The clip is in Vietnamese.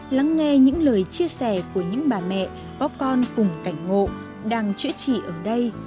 lắng nghe những lời chia sẻ của những bà mẹ có con cùng cảnh ngộ đang chữa trị ở đây